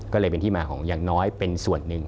ก็เลยเป็นที่มาของอย่างน้อยเป็นส่วนหนึ่ง